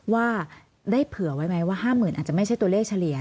ว่าได้เผื่อไว้ไหมว่า๕๐๐๐อาจจะไม่ใช่ตัวเลขเฉลี่ย